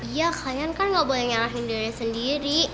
iya kalian kan gak boleh ngarahin diri sendiri